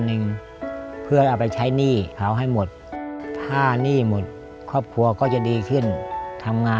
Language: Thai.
หนูก็อยากให้พ่อหายเร็วเพราะว่าตอนนี้พ่อก็ช่วยเหลืออะไรตัวเองไม่ค่อยได้